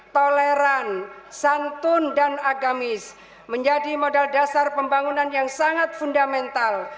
toleran santun dan agamis menjadi modal dasar pembangunan yang sangat fundamental